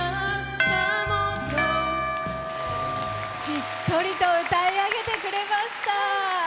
しっとりと歌い上げてくれました。